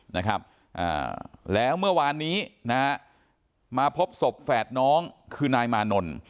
นะครับอ่าแล้วเมื่อวานนี้นะฮะมาพบศพแฝดน้องคือนายมานนท์